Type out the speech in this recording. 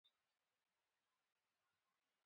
مېرمن بینتهاوس د اروپا د فضايي ادارې کارکوونکې ده.